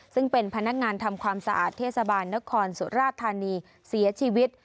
ซึ่งเป็นพนักงานทำความสะอาดเทศบาลนครสุราธานีเสียชีวิต